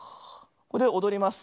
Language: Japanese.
これでおどります。